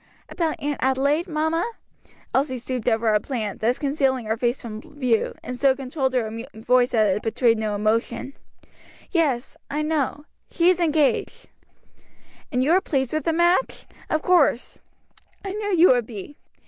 "About Aunt Adelaide, mamma?" Elsie stooped over a plant, thus concealing her face from view, and so controlled her voice that it betrayed no emotion. "Yet; I know; she is engaged." "And you are pleased with the match, of course; I knew you would be.